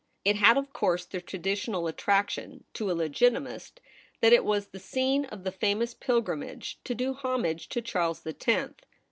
It had, of course, the traditional attrac tion, to a Legitimist, that it was the scene of the famous pilgrimage to do homage to Charles the Tenth.